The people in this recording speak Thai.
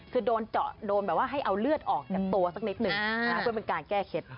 คือโดนเจาะโดนแบบว่าให้เอาเลือดออกจากตัวสักนิดหนึ่งเพื่อเป็นการแก้เคล็ด